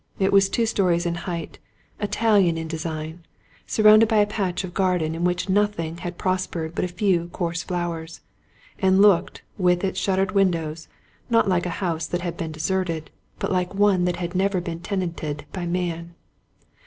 It was two stories in height, Italian itt design, surrounded by a patch of garden in which nothing had prospered but a few coarse flowers; and looked, with its shuttered windows, not like a house that had been de serted, but like one that had never been tenanted by man.